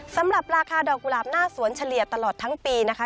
สำหรับราคาดอกกุหลาบหน้าสวนเฉลี่ยตลอดทั้งปีนะคะ